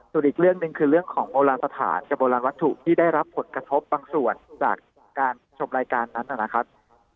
ส่วนอีกเรื่องหนึ่งคือเรื่องของโบราณสถานกับโบราณวัตถุที่ได้รับผลกระทบบางส่วนจากการชมรายการนั้นนะครับ